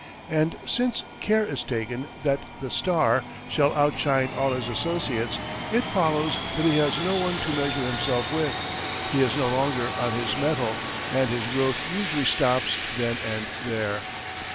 And, since care is taken that the "star" shall outshine all his associates, it follows that he has no one to measure himself with, he is no longer on his metal, and his growth usually stops then and there.